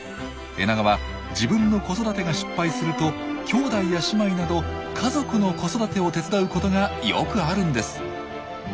エナガは自分の子育てが失敗すると兄弟や姉妹など家族の子育てを手伝うことがよくあるんです。